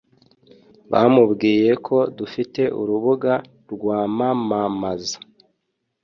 bamubwiye ko dufite urubuga rwamamamza